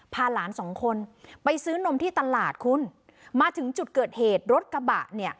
พาหลานสองคนไปซื้อนมที่ตลาดคุณมาถึงจุดเกิดเหตุรถกระบะเนี่ย